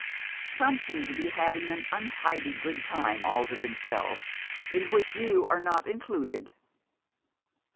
Some seem to be having an untidy good time all to themselves, in which you are not included.